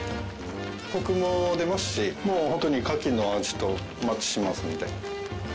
コクも出ますしもう本当にカキの味とマッチしますので。